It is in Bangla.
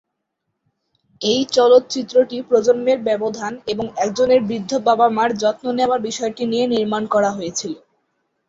এই চলচ্চিত্রটি প্রজন্মের ব্যবধান এবং একজনের বৃদ্ধ বাবা মার যত্ন নেওয়ার বিষয়টি নিয়ে নির্মাণ করা হয়েছিল।